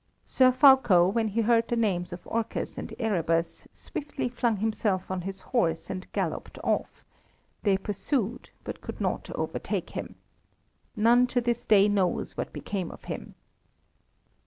Sir Fulko, when he heard the names of Orcus and Erebus, swiftly flung himself on his horse and galloped off; they pursued, but could not overtake him. None to this day knows what became of him.